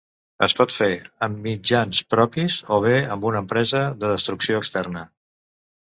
Es pot fer amb mitjans propis o bé amb una empresa de destrucció externa.